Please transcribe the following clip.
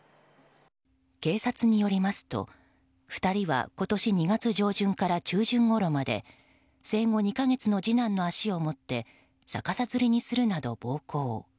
警察によりますと、２人は今年２月上旬から中旬ごろまで生後２か月の次男の足を持って逆さづりにするなど暴行。